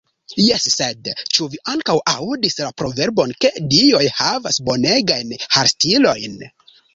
Jes sed, ĉu vi ankaŭ aŭdis la proverbon ke dioj havas bonegajn harstilojn?